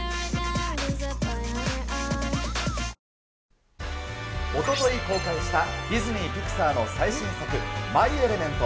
このあと、おととい公開したディズニー・ピクサーの最新作、マイ・エレメント。